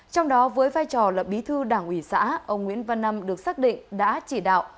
trong đó với vai trò là bí thư đảng ủy xã ông nguyễn văn năm được xác định đã chỉ đạo